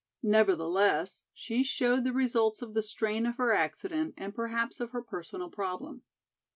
Nevertheless, she showed the results of the strain of her accident and perhaps of her personal problem.